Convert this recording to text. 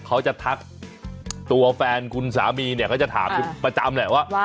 เขาจะทักตัวแฟนคุณสามีเนี่ยเขาจะถามคุณประจำแหละว่า